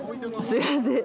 すみません。